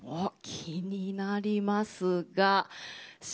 気になりますが。